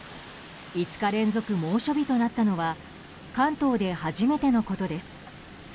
５日連続猛暑日となったのは関東で初めてのことです。